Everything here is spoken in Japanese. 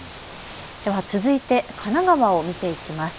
では続いて神奈川を見ていきます。